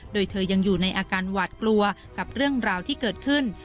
โดยเธอยังอยู่ในอาการหวาดกลัวกับเรื่องราวที่เกิดขึ้น